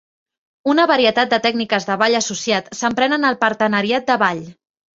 Una varietat de tècniques de ball associat s'empren en el partenariat de ball.